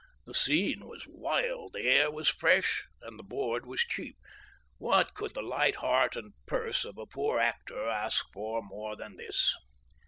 The scene was wild, the air was fresh, and the board was cheap. What could the light heart and purse of a poor actor ask for more than this?